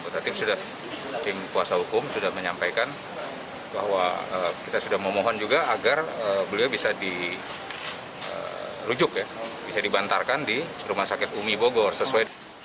tadi sudah tim kuasa hukum sudah menyampaikan bahwa kita sudah memohon juga agar beliau bisa dirujuk ya bisa dibantarkan di rumah sakit umi bogor sesuai